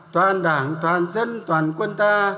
toàn đảng toàn dân toàn quân ta